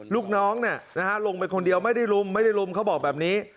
ลูกน้องลงไปคนเดียวไม่ได้ลุมไม่ได้ลุมเขาบอกแบบนี้